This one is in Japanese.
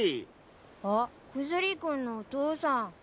あっクズリ君のお父さん。